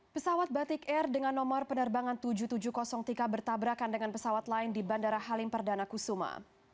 pesawat batik air dengan nomor penerbangan tujuh ribu tujuh ratus tiga bertabrakan dengan pesawat lain di bandara halim perdana kusuma